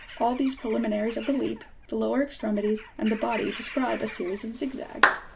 In these preliminaries of the leap, the lower extremities and the body describe a series of zigzags.